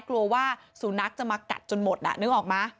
กลัวว่าสุนัขจะมากัดจนหมดน่ะนึกออกไหม